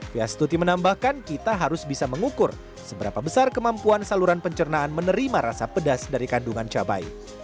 fia stuti menambahkan kita harus bisa mengukur seberapa besar kemampuan saluran pencernaan menerima rasa pedas dari kandungan cabai